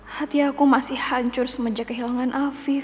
hati aku masih hancur semenjak kehilangan afif